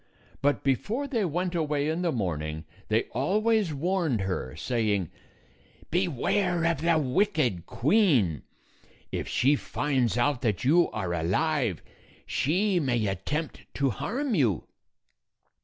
But before they went 236 away in the morning, they always warned her, saying, "Beware of the wicked queen! If she finds out that you are alive, she may attempt to harm you."